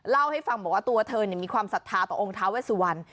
เล่าให้ฟังบอกว่าตัวเธอมีความศรัทธาต่อองค์ท้าเวสุวรรณ